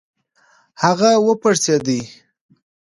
هغه و پړسېډی .